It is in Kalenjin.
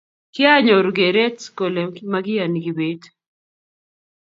kianyoru keret kole makiyani kibet